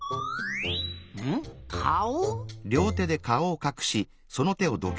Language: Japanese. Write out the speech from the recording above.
んっかお？